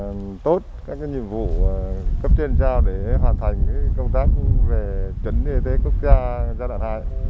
anh em trạm y tế cố gắng thực hiện tốt các nhiệm vụ cấp trên sao để hoàn thành công tác về chấn y tế quốc gia gia đoạn hai